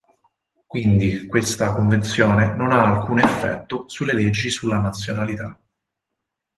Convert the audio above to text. Quindi questa convenzione non ha alcun effetto sulle leggi sulla nazionalità.